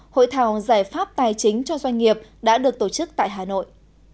hội thảo giải pháp tài chính cho doanh nghiệp đã được tổ chức tại hà nội